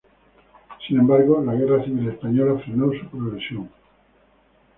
Sin embargo, la Guerra Civil Española frenó su progresión.